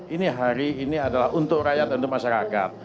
ini hari ini adalah untuk rakyat untuk masyarakat